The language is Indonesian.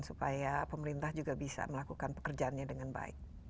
supaya pemerintah juga bisa melakukan pekerjaannya dengan baik